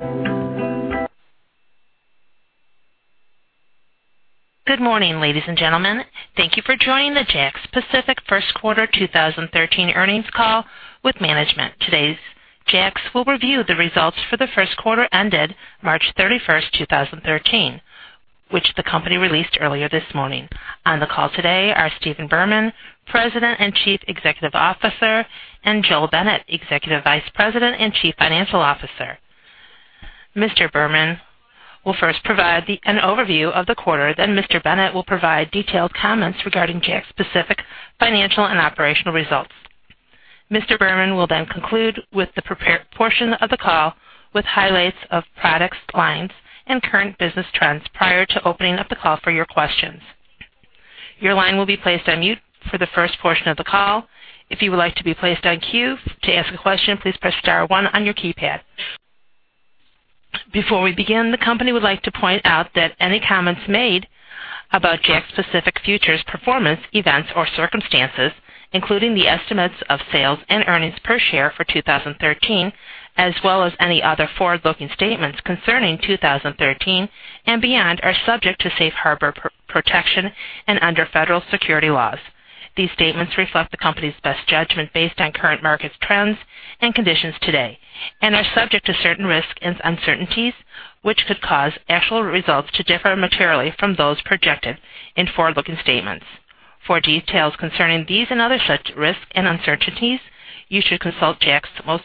Good morning, ladies and gentlemen. Thank you for joining the JAKKS Pacific First Quarter 2013 Earnings Call with Management. Today, JAKKS will review the results for the first quarter ended March 31st, 2013, which the company released earlier this morning. On the call today are Stephen Berman, President and Chief Executive Officer, and Joel Bennett, Executive Vice President and Chief Financial Officer. Mr. Berman will first provide an overview of the quarter. Mr. Bennett will provide detailed comments regarding JAKKS Pacific financial and operational results. Mr. Berman will conclude with the prepared portion of the call, with highlights of products, lines, and current business trends prior to opening up the call for your questions. Your line will be placed on mute for the first portion of the call. If you would like to be placed on queue to ask a question, please press star one on your keypad. Before we begin, the company would like to point out that any comments made about JAKKS Pacific future performance, events, or circumstances, including the estimates of sales and earnings per share for 2013, as well as any other forward-looking statements concerning 2013 and beyond, are subject to safe harbor protection and under federal securities laws. These statements reflect the company's best judgment based on current market trends and conditions today and are subject to certain risks and uncertainties, which could cause actual results to differ materially from those projected in forward-looking statements. For details concerning these and other such risks and uncertainties, you should consult JAKKS' most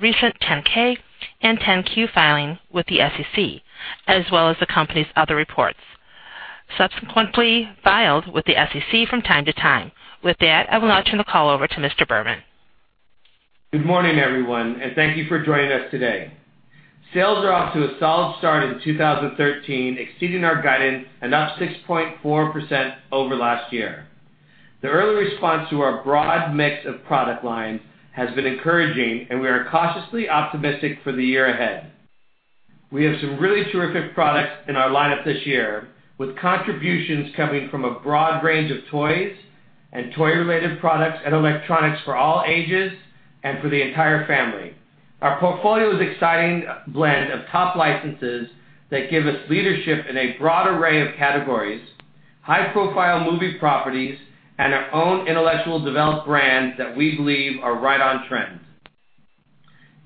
recent 10-K and 10-Q filing with the SEC, as well as the company's other reports subsequently filed with the SEC from time to time. With that, I will now turn the call over to Mr. Berman. Good morning, everyone, and thank you for joining us today. Sales are off to a solid start in 2013, exceeding our guidance and up 6.4% over last year. The early response to our broad mix of product lines has been encouraging, and we are cautiously optimistic for the year ahead. We have some really terrific products in our lineup this year, with contributions coming from a broad range of toys and toy-related products and electronics for all ages and for the entire family. Our portfolio is an exciting blend of top licenses that give us leadership in a broad array of categories, high-profile movie properties, and our own intellectual developed brands that we believe are right on trend.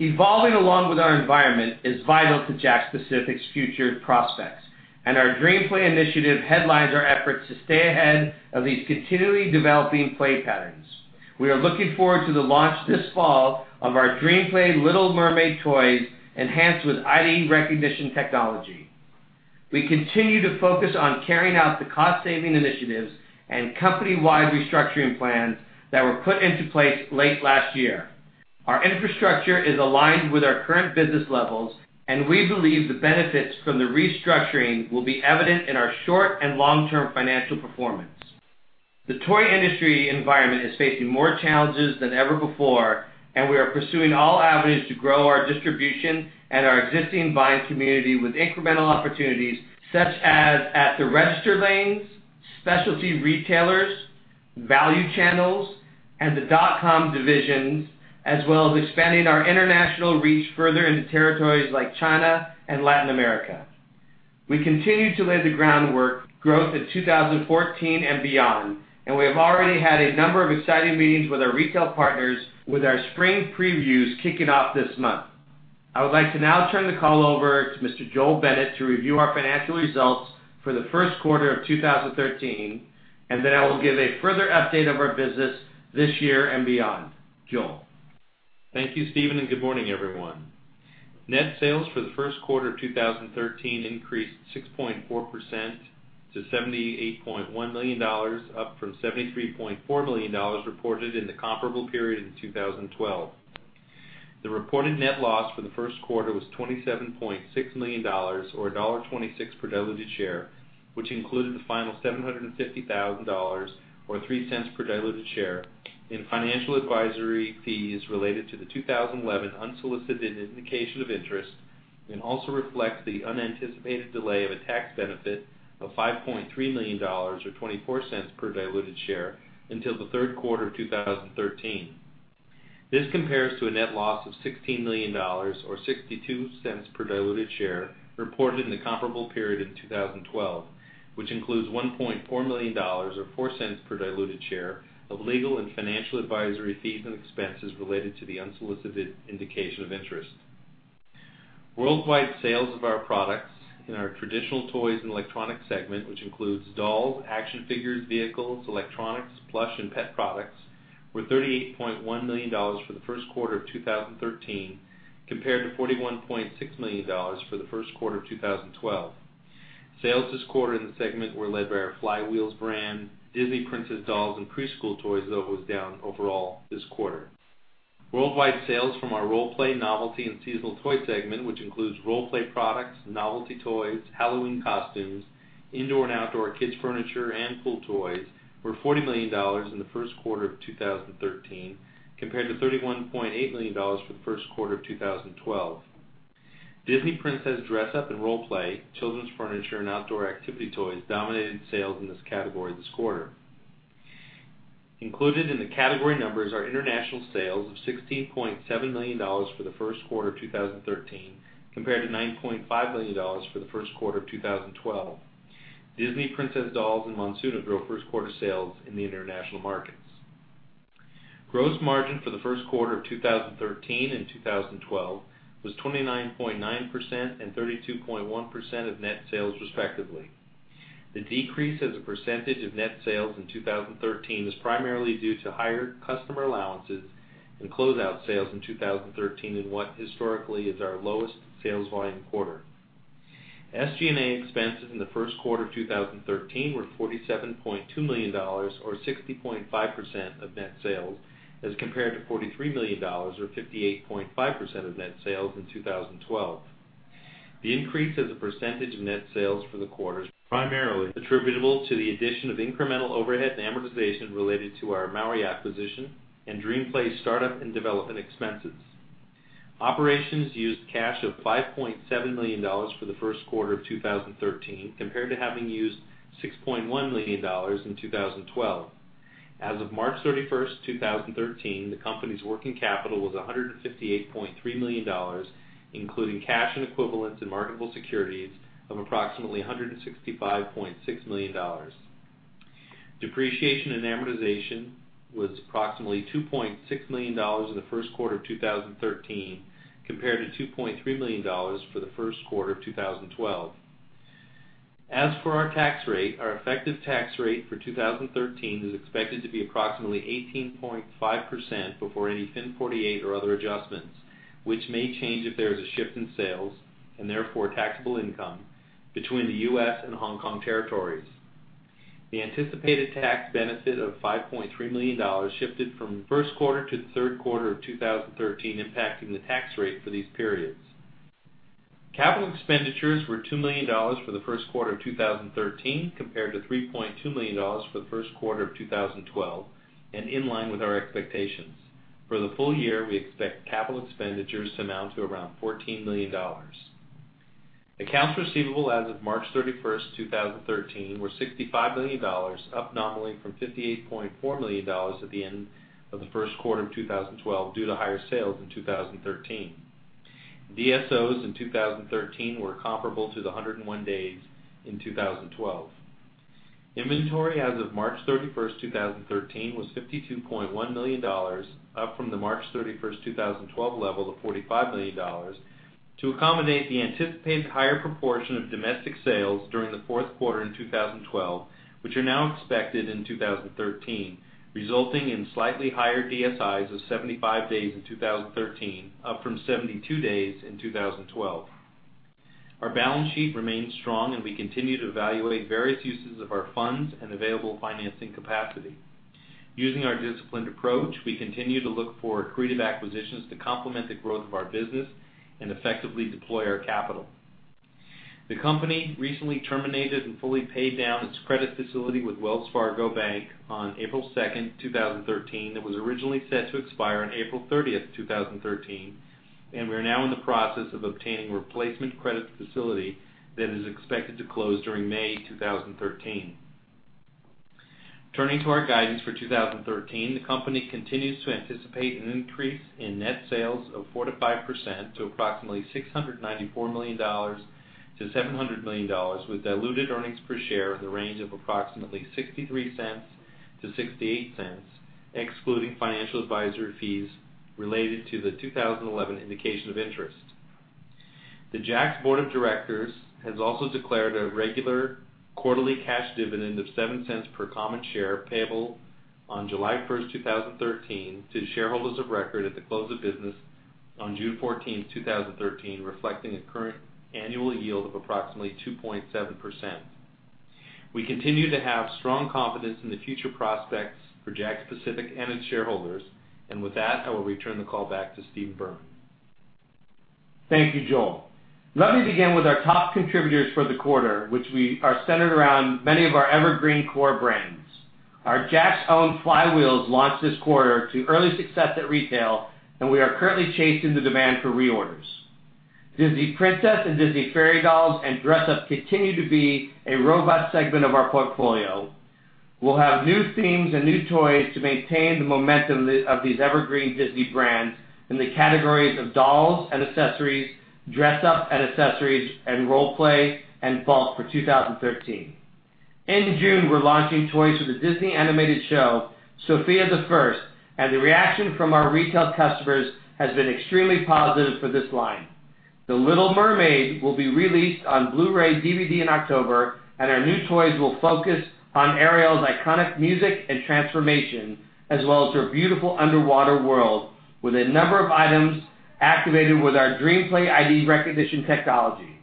Evolving along with our environment is vital to JAKKS Pacific's future prospects, and our DreamPlay initiative headlines our efforts to stay ahead of these continually developing play patterns. We are looking forward to the launch this fall of our DreamPlay Little Mermaid toys enhanced with Image recognition technology. We continue to focus on carrying out the cost-saving initiatives and company-wide restructuring plans that were put into place late last year. Our infrastructure is aligned with our current business levels, and we believe the benefits from the restructuring will be evident in our short and long-term financial performance. The toy industry environment is facing more challenges than ever before, and we are pursuing all avenues to grow our distribution and our existing buying community with incremental opportunities such as at the register lanes, specialty retailers, value channels, and the dot-com divisions, as well as expanding our international reach further into territories like China and Latin America. We continue to lay the groundwork growth in 2014 and beyond, and we have already had a number of exciting meetings with our retail partners with our spring previews kicking off this month. I would like to now turn the call over to Mr. Joel Bennett to review our financial results for the first quarter of 2013, and then I will give a further update of our business this year and beyond. Joel? Thank you, Stephen, and good morning, everyone. Net sales for the first quarter of 2013 increased 6.4% to $78.1 million, up from $73.4 million reported in the comparable period in 2012. The reported net loss for the first quarter was $27.6 million, or $1.26 per diluted share, which included the final $750,000, or $0.03 per diluted share, in financial advisory fees related to the 2011 unsolicited indication of interest and also reflects the unanticipated delay of a tax benefit of $5.3 million, or $0.24 per diluted share, until the third quarter of 2013. This compares to a net loss of $16 million, or $0.62 per diluted share, reported in the comparable period in 2012, which includes $1.4 million, or $0.04 per diluted share, of legal and financial advisory fees and expenses related to the unsolicited indication of interest. Worldwide sales of our products in our traditional toys and electronics segment, which includes dolls, action figures, vehicles, electronics, plush and pet products, were $38.1 million for the first quarter of 2013, compared to $41.6 million for the first quarter of 2012. Sales this quarter in the segment were led by our Fly Wheels brand, Disney Princess dolls, and preschool toys, though, it was down overall this quarter. Worldwide sales from our role play, novelty, and seasonal toy segment, which includes role play products, novelty toys, Halloween costumes, indoor and outdoor kids furniture, and pool toys, were $40 million in the first quarter of 2013, compared to $31.8 million for the first quarter of 2012. Disney Princess dress up and role play, children's furniture, and outdoor activity toys dominated sales in this category this quarter. Included in the category numbers are international sales of $16.7 million for the first quarter of 2013, compared to $9.5 million for the first quarter of 2012. Disney Princess dolls and Monsuno drove first quarter sales in the international markets. Gross margin for the first quarter of 2013 and 2012 was 29.9% and 32.1% of net sales respectively. The decrease as a percentage of net sales in 2013 is primarily due to higher customer allowances and closeout sales in 2013 in what historically is our lowest sales volume quarter. SG&A expenses in the first quarter of 2013 were $47.2 million, or 60.5% of net sales, as compared to $43 million, or 58.5% of net sales in 2012. The increase as a percentage of net sales for the quarter is primarily attributable to the addition of incremental overhead and amortization related to our Maui acquisition and DreamPlay's startup and development expenses. Operations used cash of $5.7 million for the first quarter of 2013, compared to having used $6.1 million in 2012. As of March 31st, 2013, the company's working capital was $158.3 million, including cash equivalents and marketable securities of approximately $165.6 million. Depreciation and amortization was approximately $2.6 million in the first quarter of 2013, compared to $2.3 million for the first quarter of 2012. Our effective tax rate for 2013 is expected to be approximately 18.5% before any FIN 48 or other adjustments, which may change if there is a shift in sales, and therefore taxable income, between the U.S. and Hong Kong territories. The anticipated tax benefit of $5.3 million shifted from the first quarter to the third quarter of 2013, impacting the tax rate for these periods. Capital expenditures were $2 million for the first quarter of 2013 compared to $3.2 million for the first quarter of 2012 and in line with our expectations. For the full year, we expect capital expenditures to amount to around $14 million. Accounts receivable as of March 31st, 2013, were $65 million, up nominally from $58.4 million at the end of the first quarter of 2012 due to higher sales in 2013. DSOs in 2013 were comparable to the 101 days in 2012. Inventory as of March 31st, 2013, was $52.1 million, up from the March 31st, 2012, level of $45 million to accommodate the anticipated higher proportion of domestic sales during the fourth quarter in 2012, which are now expected in 2013, resulting in slightly higher DSIs of 75 days in 2013, up from 72 days in 2012. Our balance sheet remains strong. We continue to evaluate various uses of our funds and available financing capacity. Using our disciplined approach, we continue to look for accretive acquisitions to complement the growth of our business and effectively deploy our capital. The company recently terminated and fully paid down its credit facility with Wells Fargo Bank on April 2nd, 2013. That was originally set to expire on April 30th, 2013. We are now in the process of obtaining a replacement credit facility that is expected to close during May 2013. Turning to our guidance for 2013, the company continues to anticipate an increase in net sales of 4%-5% to approximately $694 million-$700 million, with diluted earnings per share in the range of approximately $0.63-$0.68, excluding financial advisory fees related to the 2011 indication of interest. The JAKKS Board of Directors has also declared a regular quarterly cash dividend of $0.07 per common share, payable on July 1st, 2013, to shareholders of record at the close of business on June 14th, 2013, reflecting a current annual yield of approximately 2.7%. We continue to have strong confidence in the future prospects for JAKKS Pacific and its shareholders. With that, I will return the call back to Steve Berman. Thank you, Joel. Let me begin with our top contributors for the quarter, which are centered around many of our evergreen core brands. Our JAKKS-owned Fly Wheels launched this quarter to early success at retail, and we are currently chasing the demand for reorders. Disney Princess and Disney Fairies dolls and dress-up continue to be a robust segment of our portfolio. We'll have new themes and new toys to maintain the momentum of these evergreen Disney brands in the categories of dolls and accessories, dress up and accessories, and role play and fall for 2013. In June, we're launching toys for the Disney animated show, "Sofia the First," and the reaction from our retail customers has been extremely positive for this line. The Little Mermaid" will be released on Blu-ray/DVD in October, and our new toys will focus on Ariel's iconic music and transformation, as well as her beautiful underwater world, with a number of items activated with our DreamPlay ID recognition technology.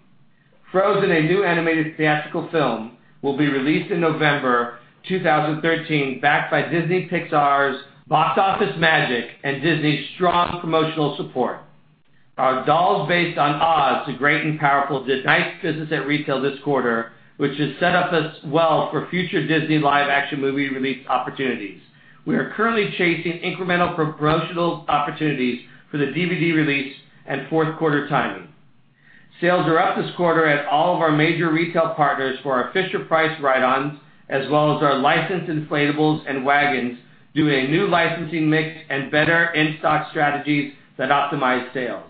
"Frozen," a new animated theatrical film, will be released in November 2013 backed by Disney Pixar's box office magic and Disney's strong promotional support. Our dolls based on "Oz the Great and Powerful" did nice business at retail this quarter, which has set us up well for future Disney live-action movie release opportunities. We are currently chasing incremental promotional opportunities for the DVD release and fourth-quarter timing. Sales are up this quarter at all of our major retail partners for our Fisher-Price ride-ons, as well as our licensed inflatables and wagons, due to a new licensing mix and better in-stock strategies that optimize sales.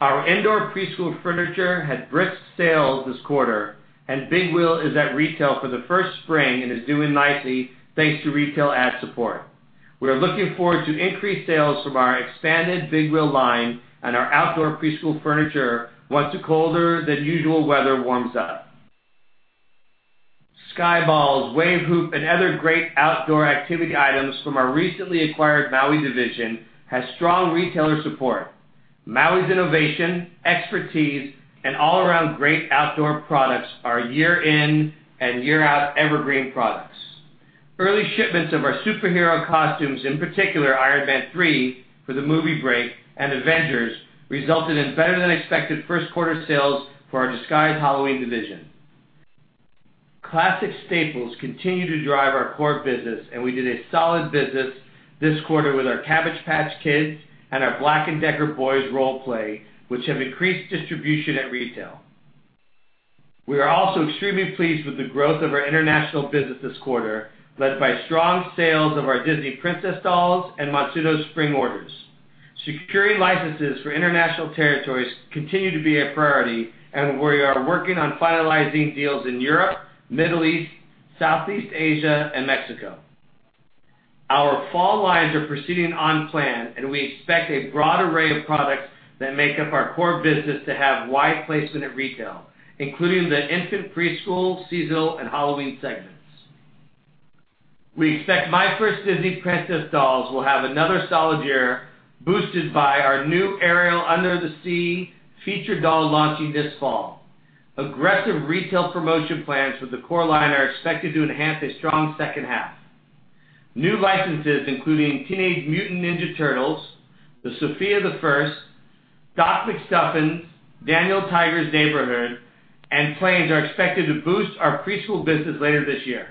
Our indoor preschool furniture had brisk sales this quarter, and Big Wheel is at retail for the first spring and is doing nicely thanks to retail ad support. We are looking forward to increased sales from our expanded Big Wheel line and our outdoor preschool furniture once the colder-than-usual weather warms up. Sky Balls, Wave Hoop, and other great outdoor activity items from our recently acquired Maui division have strong retailer support. Maui's innovation, expertise, and all-around great outdoor products are year-in and year-out evergreen products. Early shipments of our superhero costumes, in particular Iron Man 3 for the movie break, and Avengers, resulted in better-than-expected first quarter sales for our Disguise Halloween division. Classic staples continue to drive our core business, and we did a solid business this quarter with our Cabbage Patch Kids and our Black & Decker boys role play, which have increased distribution at retail. We are also extremely pleased with the growth of our international business this quarter, led by strong sales of our Disney Princess dolls and Monsuno spring orders. Securing licenses for international territories continue to be a priority, and we are working on finalizing deals in Europe, Middle East, Southeast Asia, and Mexico. Our fall lines are proceeding on plan, and we expect a broad array of products that make up our core business to have wide placement at retail, including the infant, preschool, seasonal, and Halloween segments. We expect My First Disney Princess dolls will have another solid year, boosted by our new Ariel Under the Sea featured doll launching this fall. Aggressive retail promotion plans with the core line are expected to enhance a strong second half. New licenses including Teenage Mutant Ninja Turtles, Sofia the First, Doc McStuffins, Daniel Tiger's Neighborhood, and Planes are expected to boost our preschool business later this year.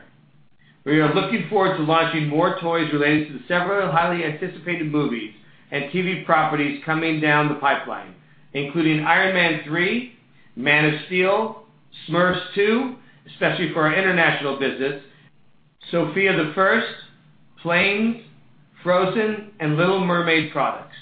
We are looking forward to launching more toys relating to several highly anticipated movies and TV properties coming down the pipeline, including Iron Man 3, Man of Steel, Smurfs 2, especially for our international business, Sofia the First, Planes, Frozen, and Little Mermaid products.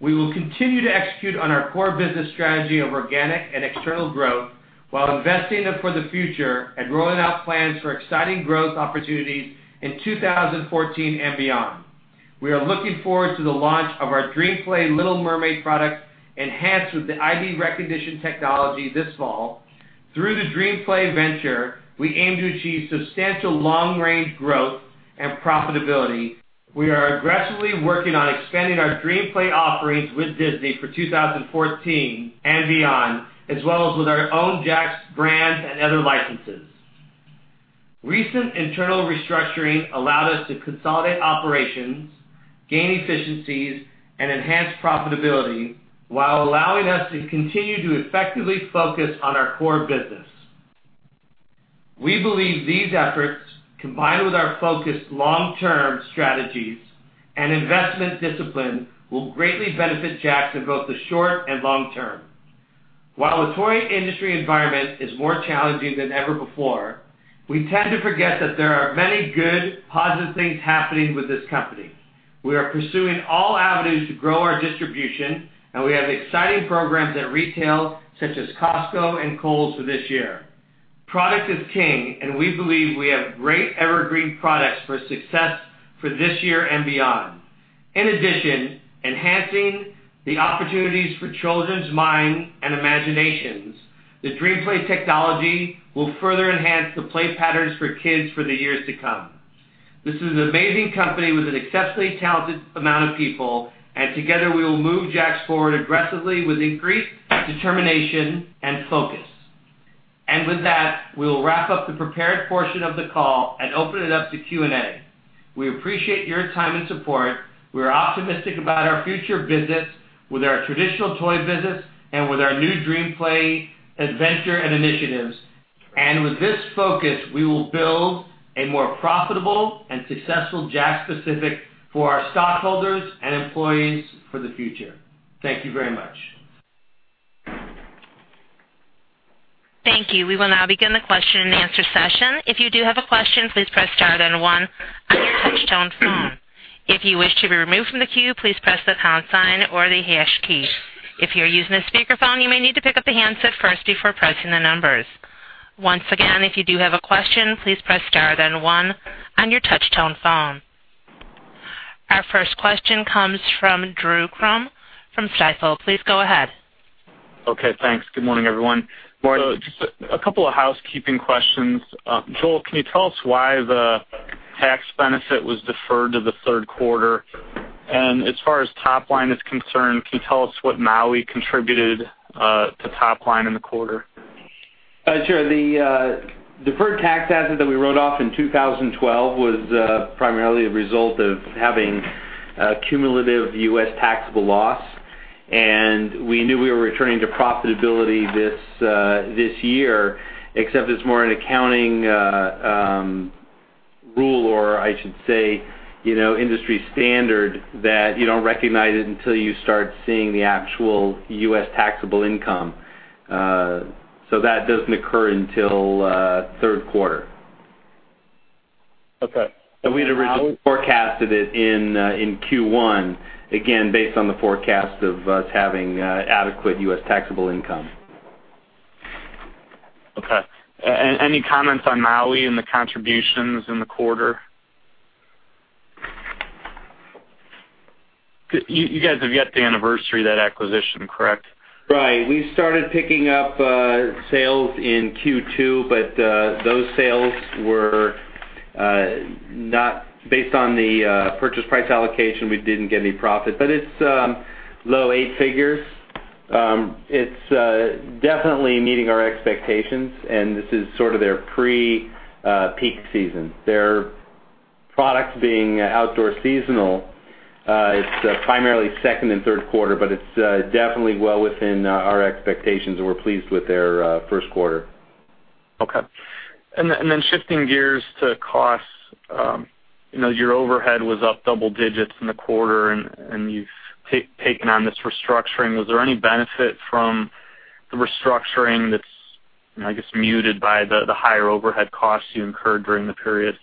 We will continue to execute on our core business strategy of organic and external growth while investing for the future and rolling out plans for exciting growth opportunities in 2014 and beyond. We are looking forward to the launch of our DreamPlay Little Mermaid product, enhanced with the image recognition technology this fall. Through the DreamPlay venture, we aim to achieve substantial long-range growth and profitability. We are aggressively working on expanding our DreamPlay offerings with Disney for 2014 and beyond, as well as with our own JAKKS brands and other licenses. Recent internal restructuring allowed us to consolidate operations, gain efficiencies, and enhance profitability while allowing us to continue to effectively focus on our core business. We believe these efforts, combined with our focused long-term strategies and investment discipline, will greatly benefit JAKKS in both the short and long term. While the toy industry environment is more challenging than ever before, we tend to forget that there are many good, positive things happening with this company. We are pursuing all avenues to grow our distribution, and we have exciting programs at retail, such as Costco and Kohl's for this year. Product is king, and we believe we have great evergreen products for success for this year and beyond. In addition, enhancing the opportunities for children's minds and imaginations, the DreamPlay technology will further enhance the play patterns for kids for the years to come. This is an amazing company with an exceptionally talented amount of people, together we will move JAKKS forward aggressively with increased determination and focus. With that, we will wrap up the prepared portion of the call and open it up to Q&A. We appreciate your time and support. We are optimistic about our future business with our traditional toy business and with our new DreamPlay adventure and initiatives. With this focus, we will build a more profitable and successful JAKKS Pacific for our stockholders and employees for the future. Thank you very much. Thank you. We will now begin the question and answer session. If you do have a question, please press star then one on your touch-tone phone. If you wish to be removed from the queue, please press the pound sign or the hash key. If you are using a speakerphone, you may need to pick up the handset first before pressing the numbers. Once again, if you do have a question, please press star then one on your touch-tone phone. Our first question comes from Drew Crum from Stifel. Please go ahead. Okay, thanks. Good morning, everyone. Morning. Just a couple of housekeeping questions. Joel, can you tell us why the tax benefit was deferred to the third quarter? As far as top line is concerned, can you tell us what Maui contributed to top line in the quarter? Sure. The deferred tax asset that we wrote off in 2012 was primarily a result of having cumulative U.S. taxable loss. We knew we were returning to profitability this year, except it's more an accounting. Rule, or I should say, industry standard, that you don't recognize it until you start seeing the actual U.S. taxable income. That doesn't occur until third quarter. Okay. We'd originally forecasted it in Q1, again, based on the forecast of us having adequate U.S. taxable income. Okay. Any comments on Maui and the contributions in the quarter? You guys have yet to anniversary that acquisition, correct? Right. We started picking up sales in Q2, but those sales were not based on the purchase price allocation. We didn't get any profit, but it's low eight figures. It's definitely meeting our expectations, and this is sort of their pre-peak season. Their products being outdoor seasonal, it's primarily second and third quarter, but it's definitely well within our expectations and we're pleased with their first quarter. Okay. Shifting gears to costs. Your overhead was up double digits in the quarter, and you've taken on this restructuring. Was there any benefit from the restructuring that's, I guess, muted by the higher overhead costs you incurred during the period?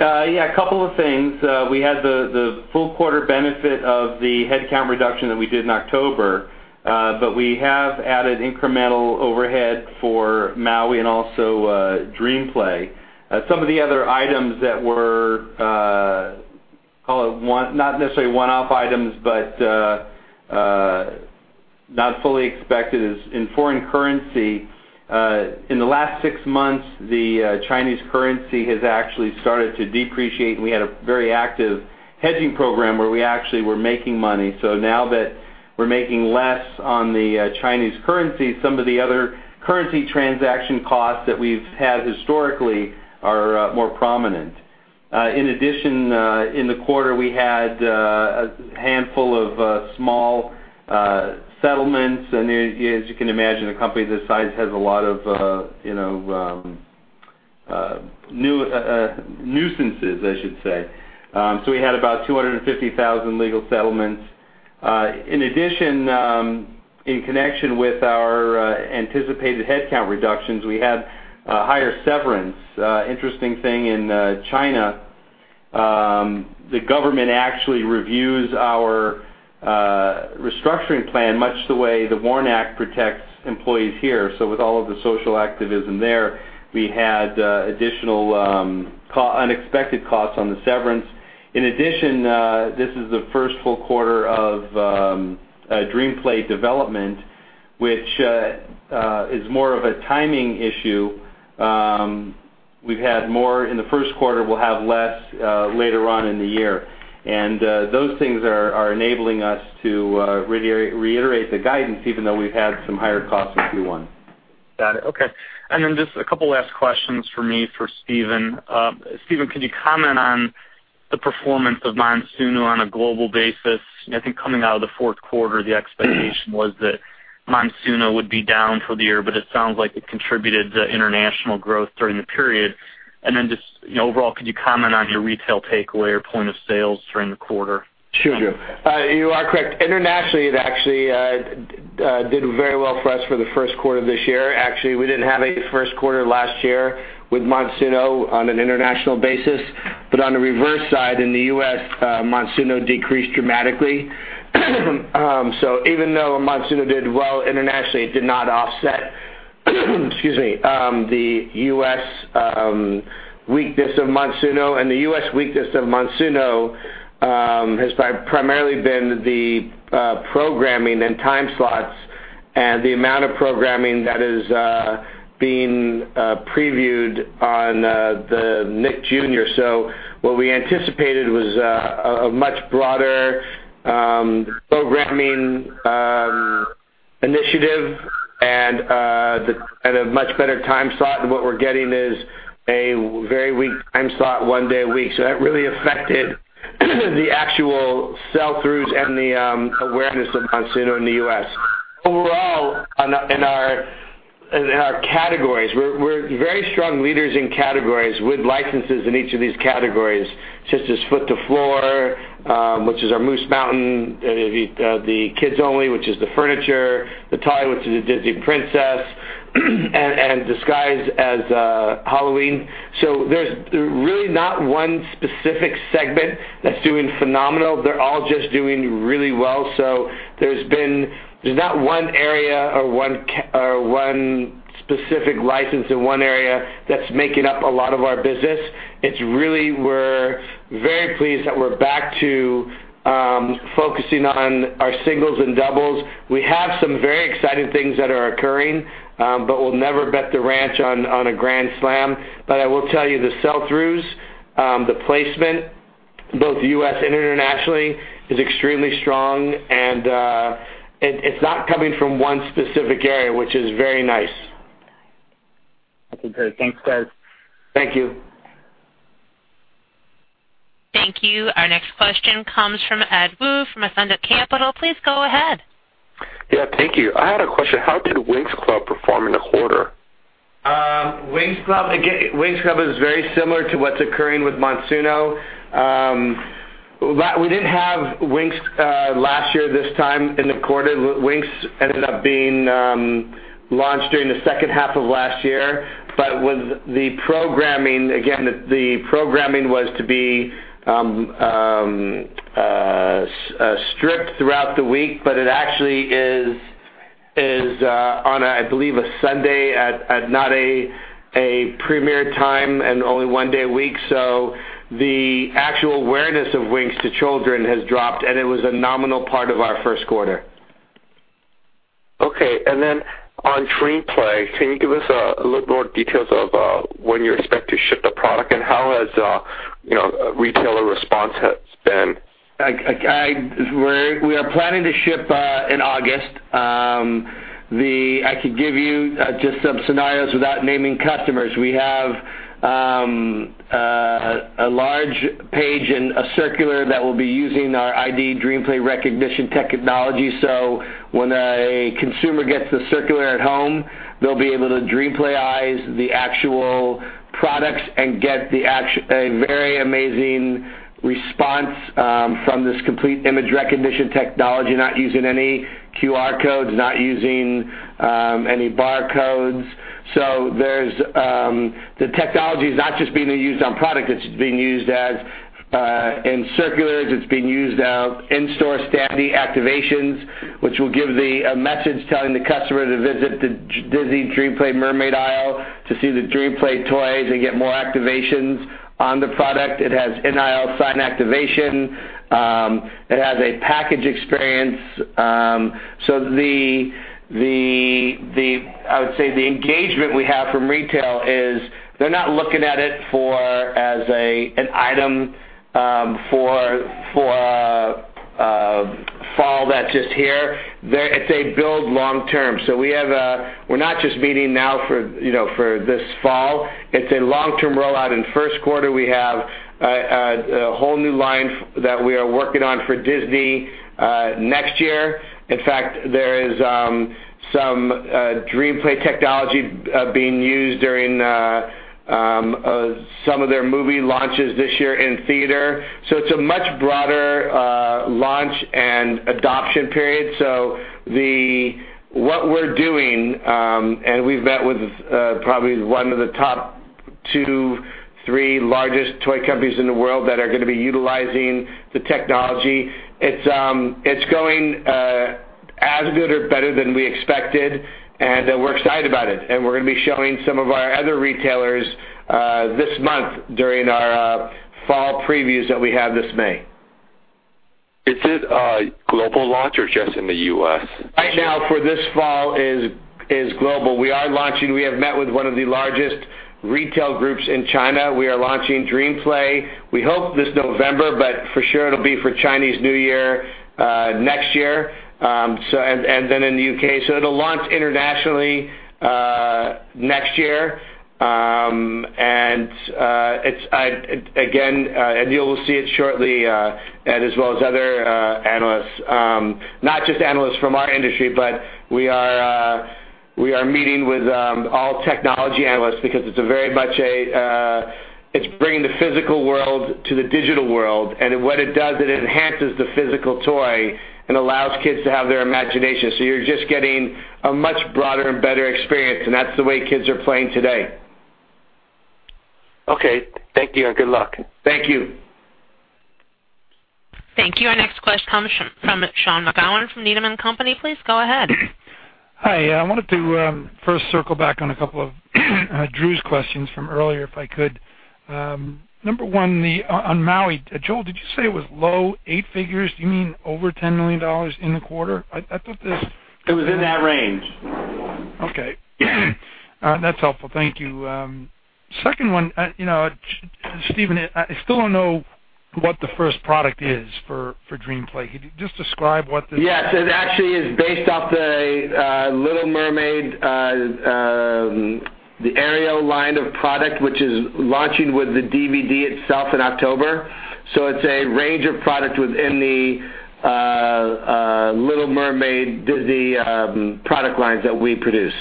Yeah, a couple of things. We had the full quarter benefit of the headcount reduction that we did in October, but we have added incremental overhead for Maui and also DreamPlay. Some of the other items that were, call it, not necessarily one-off items, but not fully expected is in foreign currency. In the last six months, the Chinese currency has actually started to depreciate, and we had a very active hedging program where we actually were making money. Now that we're making less on the Chinese currency, some of the other currency transaction costs that we've had historically are more prominent. In addition, in the quarter, we had a handful of small settlements, and as you can imagine, a company this size has a lot of nuisances, I should say. We had about $250,000 legal settlements. In addition, in connection with our anticipated headcount reductions, we had higher severance. Interesting thing in China, the government actually reviews our restructuring plan much the way the WARN Act protects employees here. With all of the social activism there, we had additional unexpected costs on the severance. In addition, this is the first full quarter of DreamPlay development, which is more of a timing issue. We've had more in the first quarter, we'll have less later on in the year. Those things are enabling us to reiterate the guidance, even though we've had some higher costs in Q1. Got it. Okay. Just a couple last questions from me for Stephen. Stephen, could you comment on the performance of Monsuno on a global basis? I think coming out of the fourth quarter, the expectation was that Monsuno would be down for the year, but it sounds like it contributed to international growth during the period. Just overall, could you comment on your retail takeaway or point of sales during the quarter? Sure. You are correct. Internationally, it actually did very well for us for the first quarter of this year. Actually, we didn't have a first quarter last year with Monsuno on an international basis. On the reverse side, in the U.S., Monsuno decreased dramatically. Even though Monsuno did well internationally, it did not offset the U.S. weakness of Monsuno and the U.S. weakness of Monsuno has primarily been the programming and time slots and the amount of programming that is being previewed on the Nick Jr. What we anticipated was a much broader programming initiative and a much better time slot, and what we're getting is a very weak time slot one day a week. That really affected the actual sell-throughs and the awareness of Monsuno in the U.S. Overall, in our categories, we're very strong leaders in categories with licenses in each of these categories, such as Foot to Floor, which is our Moose Mountain, the Kids Only, which is the furniture, Tiana, which is a Disney Princess, and Disguise as Halloween. There's really not one specific segment that's doing phenomenal. They're all just doing really well. There's not one area or one specific license in one area that's making up a lot of our business. It's really we're very pleased that we're back to focusing on our singles and doubles. We have some very exciting things that are occurring, but we'll never bet the ranch on a grand slam. I will tell you, the sell-throughs, the placement, both U.S. and internationally, is extremely strong, and it's not coming from one specific area, which is very nice. Okay, great. Thanks, guys. Thank you. Thank you. Our next question comes from Edward Woo from Ascendiant Capital. Please go ahead. Yeah, thank you. I had a question. How did Winx Club perform in the quarter? Winx Club is very similar to what's occurring with Monsuno. We didn't have Winx last year, this time in the quarter. Winx ended up being launched during the second half of last year, the programming was to be stripped throughout the week, it actually is on, I believe, a Sunday at not a premier time and only one day a week. The actual awareness of Winx to children has dropped, and it was a nominal part of our first quarter. Okay, on DreamPlay, can you give us a little more details of when you expect to ship the product and how has retailer response been? We are planning to ship in August. I could give you just some scenarios without naming customers. We have a large page and a circular that will be using our ID DreamPlay recognition technology. When a consumer gets the circular at home, they'll be able to DreamPlay-ize the actual products and get a very amazing response from this complete image recognition technology, not using any QR codes, not using any barcodes. The technology is not just being used on product, it's being used in circulars, it's being used in store standing activations, which will give the message telling the customer to visit the Disney DreamPlay mermaid aisle to see the DreamPlay toys and get more activations on the product. It has an aisle sign activation. It has a package experience. I would say the engagement we have from retail is they're not looking at it as an item for a fall that's just here. It's a build long-term. We're not just meeting now for this fall. It's a long-term rollout. In Q1, we have a whole new line that we are working on for Disney next year. In fact, there is some DreamPlay technology being used during some of their movie launches this year in theater. It's a much broader launch and adoption period. What we're doing, and we've met with probably one of the top two to three largest toy companies in the world that are going to be utilizing the technology. It's going as good or better than we expected, and we're excited about it, and we're going to be showing some of our other retailers this month during our fall previews that we have this May. Is it a global launch or just in the U.S.? Right now for this fall is global. We are launching, we have met with one of the largest retail groups in China. We are launching DreamPlay, we hope this November, but for sure it'll be for Chinese New Year next year, and then in the U.K. It'll launch internationally next year. You'll see it shortly, as well as other analysts, not just analysts from our industry, but we are meeting with all technology analysts because it's bringing the physical world to the digital world. What it does, it enhances the physical toy and allows kids to have their imagination. You're just getting a much broader and better experience, and that's the way kids are playing today. Okay. Thank you, and good luck. Thank you. Thank you. Our next question comes from Sean McGowan from Needham & Company. Please go ahead. Hi. I wanted to first circle back on a couple of Drew's questions from earlier, if I could. Number one, on Maui, Joel, did you say it was low eight figures? Do you mean over $10 million in the quarter? It was in that range. Okay. That's helpful. Thank you. Second one, Stephen, I still don't know what the first product is for DreamPlay. Could you just describe what? Yes, it actually is based off The Little Mermaid, the Ariel line of product, which is launching with the DVD itself in October. It's a range of product within The Little Mermaid Disney product lines that we produce.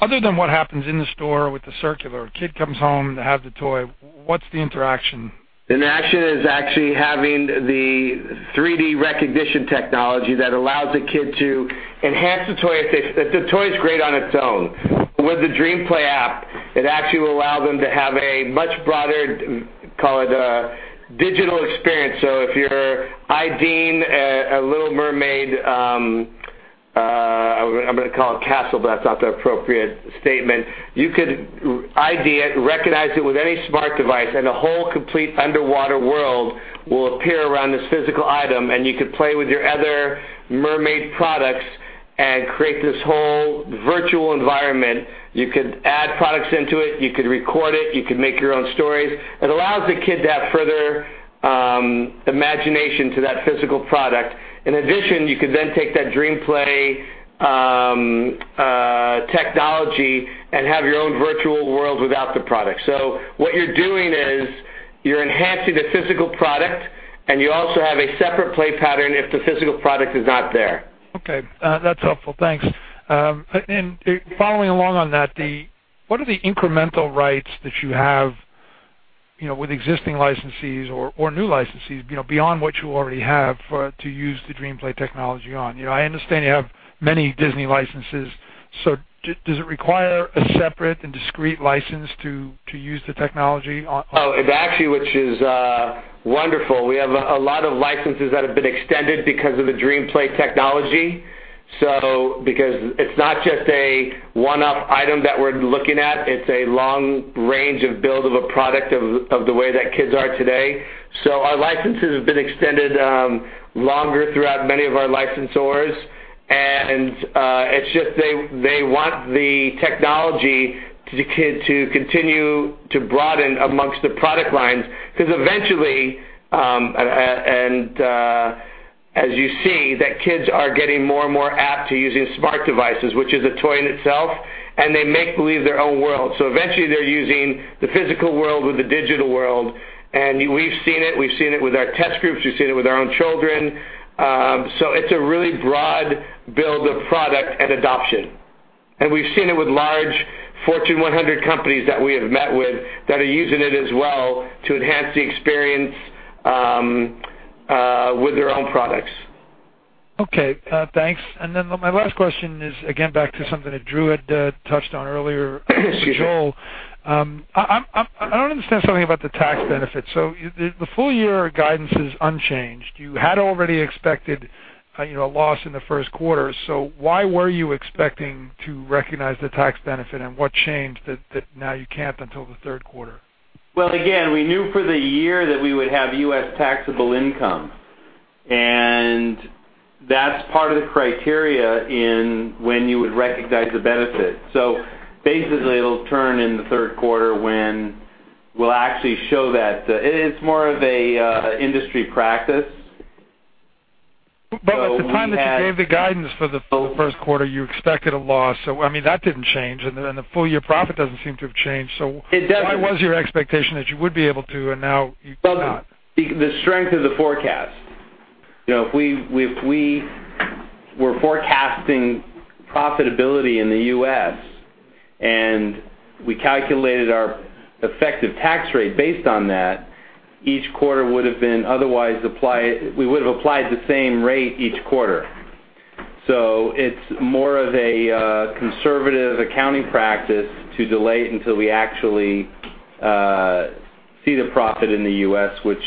Other than what happens in the store with the circular, kid comes home, they have the toy, what's the interaction? The interaction is actually having the 3D recognition technology that allows a kid to enhance the toy. The toy's great on its own. With the DreamPlay app, it actually will allow them to have a much broader, call it, digital experience. If you're ID'ing a Little Mermaid, I'm going to call it castle, but that's not the appropriate statement. You could ID it, recognize it with any smart device, and a whole complete underwater world will appear around this physical item, and you could play with your other mermaid products and create this whole virtual environment. You could add products into it, you could record it, you could make your own stories. It allows the kid to add further imagination to that physical product. In addition, you could then take that DreamPlay technology and have your own virtual world without the product. What you're doing is you're enhancing the physical product, and you also have a separate play pattern if the physical product is not there. Okay. That's helpful. Thanks. Following along on that, what are the incremental rights that you have with existing licensees or new licensees, beyond what you already have to use the DreamPlay technology on? I understand you have many Disney licenses. Does it require a separate and discrete license to use the technology on? Oh, it actually, which is wonderful, we have a lot of licenses that have been extended because of the DreamPlay technology. Because it's not just a one-off item that we're looking at, it's a long range of build of a product of the way that kids are today. Our licenses have been extended, longer throughout many of our licensors, it's just they want the technology to continue to broaden amongst the product lines, because eventually, as you see, kids are getting more and more apt to using smart devices, which is a toy in itself, and they make believe their own world. Eventually they're using the physical world with the digital world, and we've seen it. We've seen it with our test groups. We've seen it with our own children. It's a really broad build of product and adoption. We've seen it with large Fortune 100 companies that we have met with that are using it as well to enhance the experience with their own products. Okay, thanks. My last question is again back to something that Drew had touched on earlier. Excuse me. For Joel. I don't understand something about the tax benefit. The full-year guidance is unchanged. You had already expected a loss in the first quarter, why were you expecting to recognize the tax benefit, and what changed that now you can't until the third quarter? Well, again, we knew for the year that we would have U.S. taxable income, and that's part of the criteria in when you would recognize the benefit. Basically, it'll turn in the third quarter when we'll actually show that. It's more of an industry practice. At the time that you gave the guidance for the first quarter, you expected a loss. That didn't change, and the full-year profit doesn't seem to have changed. It doesn't Why was your expectation that you would be able to, and now you cannot? Well, the strength of the forecast. If we're forecasting profitability in the U.S. and we calculated our effective tax rate based on that, each quarter would've been otherwise applied. We would've applied the same rate each quarter. It's more of a conservative accounting practice to delay it until we actually see the profit in the U.S., which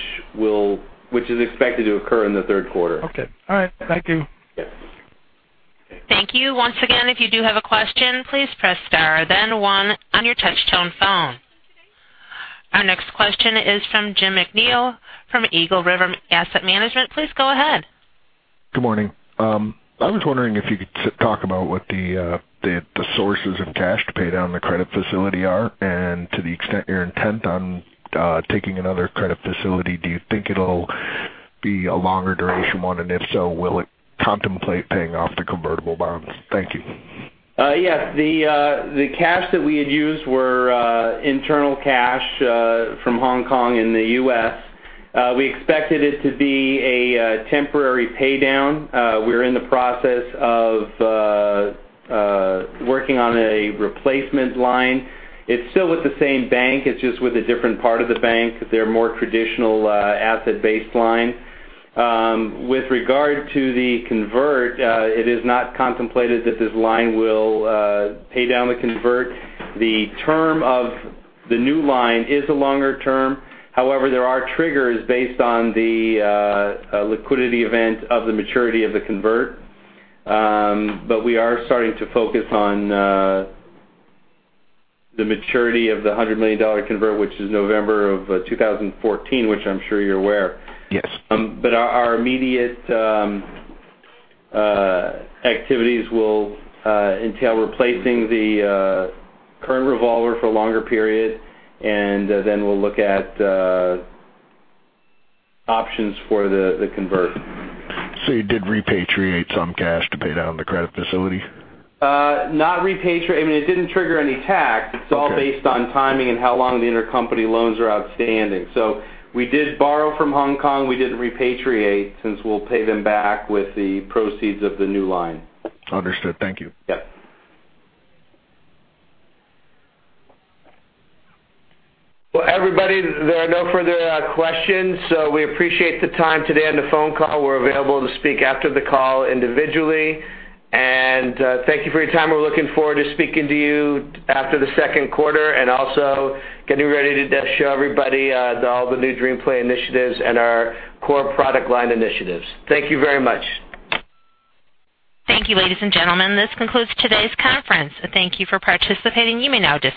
is expected to occur in the third quarter. Okay. All right. Thank you. Yes. Okay. Thank you. Once again, if you do have a question, please press star then one on your touchtone phone. Our next question is from Jim McNeil from Eagle River Asset Management. Please go ahead. Good morning. I was wondering if you could talk about what the sources of cash to pay down the credit facility are and to the extent your intent on taking another credit facility. Do you think it'll be a longer duration one, and if so, will it contemplate paying off the convertible bonds? Thank you. Yes. The cash that we had used were internal cash, from Hong Kong and the U.S. We expected it to be a temporary pay down. We're in the process of working on a replacement line. It's still with the same bank, it's just with a different part of the bank, their more traditional asset-based line. With regard to the convert, it is not contemplated that this line will pay down the convert. The term of the new line is a longer term. However, there are triggers based on the liquidity event of the maturity of the convert. We are starting to focus on the maturity of the $100 million convert, which is November of 2014, which I'm sure you're aware. Yes. Our immediate activities will entail replacing the current revolver for a longer period, and then we'll look at options for the convert. You did repatriate some cash to pay down the credit facility? Not repatriate. I mean, it didn't trigger any tax. Okay. It's all based on timing and how long the intercompany loans are outstanding. We did borrow from Hong Kong, we didn't repatriate, since we'll pay them back with the proceeds of the new line. Understood. Thank you. Yep. Everybody, there are no further questions. We appreciate the time today on the phone call. We're available to speak after the call individually. Thank you for your time. We're looking forward to speaking to you after the second quarter and also getting ready to show everybody all the new DreamPlay initiatives and our core product line initiatives. Thank you very much. Thank you, ladies and gentlemen. This concludes today's conference. Thank you for participating. You may now disconnect.